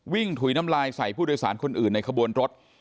ถุยน้ำลายใส่ผู้โดยสารคนอื่นในขบวนรถ